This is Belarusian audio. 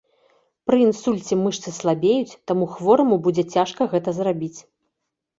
Пры інсульце мышцы слабеюць, таму хвораму будзе цяжка гэта зрабіць.